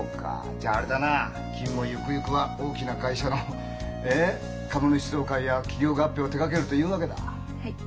じゃああれだな君もゆくゆくは大きな会社のえっ株主総会や企業合併を手がけるというわけだ。